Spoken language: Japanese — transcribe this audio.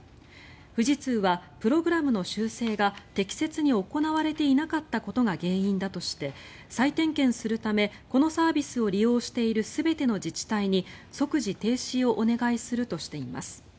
富士通はプログラムの修正が適切に行われていなかったことが原因だとして再点検するためこのサービスを利用している全ての自治体に即時停止をお願いするとしています。